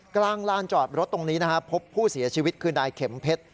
กลางลานจอดรถตรงนี้นะครับพบผู้เสียชีวิตคือนายเข็มเพชร